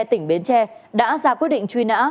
tỉnh bến tre đã ra quyết định truy nã